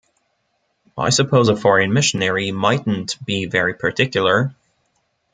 I suppose a foreign missionary mightn’t be very particular.